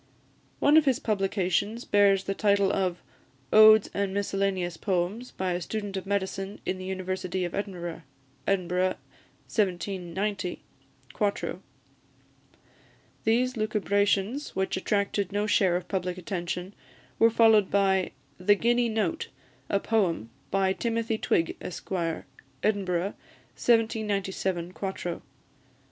One of his publications bears the title of "Odes and Miscellaneous Poems, by a Student of Medicine in the University of Edinburgh," Edinburgh, 1790, 4to. These lucubrations, which attracted no share of public attention, were followed by "The Guinea Note, a Poem, by Timothy Twig, Esquire," Edinburgh, 1797, 4to.